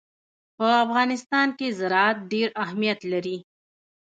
په افغانستان کې زراعت ډېر اهمیت لري.